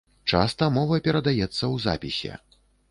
Часта мова перадаецца ў запісе.